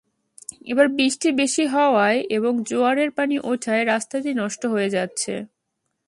এবার বৃষ্টি বেশি হওয়ায় এবং জোয়ারের পানি ওঠায় রাস্তাটি নষ্ট হয়ে যাচ্ছে।